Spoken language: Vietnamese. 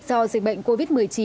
do dịch bệnh covid một mươi chín